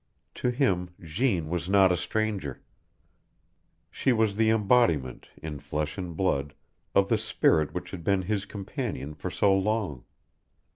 To him Jeanne was not a stranger. She was the embodiment, in flesh and blood, of the spirit which had been his companion for so long.